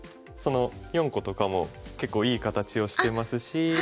その４個とかも結構いい形をしてますし。